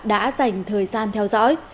đã dành thời gian theo dõi